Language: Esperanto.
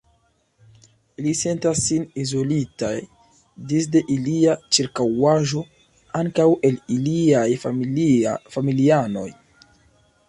Ili sentas sin izolitaj disde ilia ĉirkaŭaĵo, ankaŭ el iliaj familianoj.